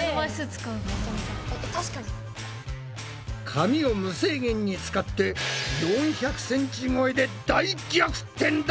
紙を無制限に使って４００ｃｍ超えで大逆転だ！